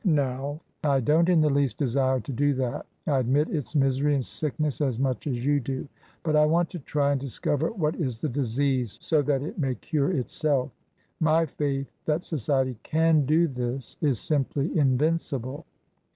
Now, I don't in the least desire to do that. I admit its misery and sickness as much as you do. But I want to try and discover what is the disease, so that it may cure itself. My faith that So ciety can do this is simply invincible."